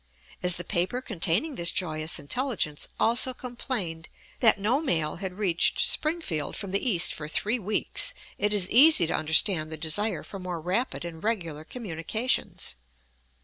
As the paper containing this joyous intelligence also complained that no mail had reached Springfield from the east for three weeks, it is easy to understand the desire for more rapid and regular communications.